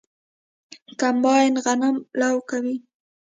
کمباین غنم لو کوي.